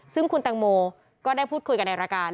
ซึ่งคุณแตงโมก็ได้พูดคุยกันในรายการ